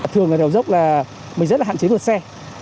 thường đèo dốc là rất hạn chế vượt xe